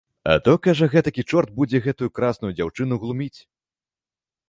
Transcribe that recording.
А то, кажа, гэтакі чорт будзе такую красную дзяўчыну глуміць.